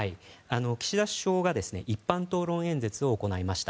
岸田首相が一般討論演説を行いました。